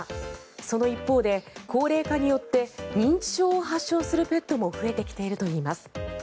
その一方で高齢化によって認知症を発症するペットも増えてきているといいます。